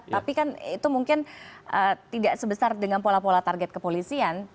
tapi kan itu mungkin tidak sebesar dengan pola pola target kepolisian